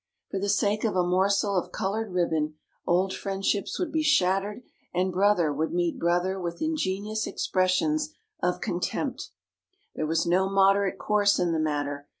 For the sake of a morsel of coloured ribbon old friendships would be shattered and brother would meet brother with ingenious expressions of con tempt. There was no moderate course in the matter.